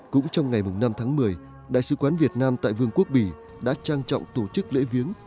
cũng trong ngày năm tháng một mươi đại sứ quán việt nam tại vương quốc bỉ đã trang trọng tổ chức lễ viếng